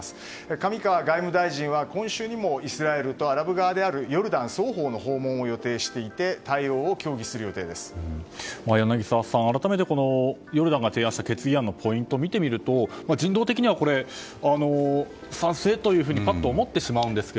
上川法務大臣は今週にもイスラエルとアラブ側にもヨルダン双方の訪問を予定していて柳澤さん、改めてヨルダンが提案した決議案のポイントを見てみると人道的には賛成というふうにぱっと思ってしまいますが。